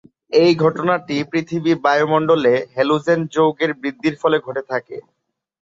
এই ঘটনাটি পৃথিবীর বায়ুমণ্ডলে হ্যালোজেন যৌগের বৃদ্ধির ফলে ঘটে থাকে।